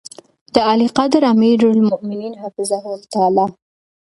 د عاليقدر اميرالمؤمنين حفظه الله تعالی